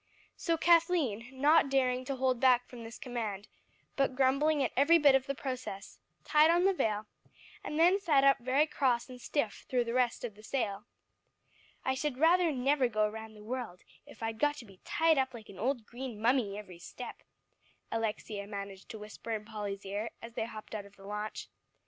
So Kathleen, not daring to hold back from this command, but grumbling at every bit of the process, tied on the veil, and then sat up very cross and stiff through the rest of the sail. "I should rather never go around the world, if I'd got to be tied up like an old green mummy every step," Alexia managed to whisper in Polly's ear as they hopped out of the launch.